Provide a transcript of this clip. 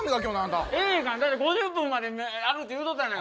だって５０分まであるって言うとったやないか。